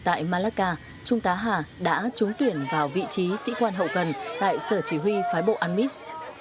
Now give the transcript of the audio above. tại malacca trung tá hà đã trúng tuyển vào vị trí sĩ quan hậu cần tại sở chỉ huy phái bộ anmis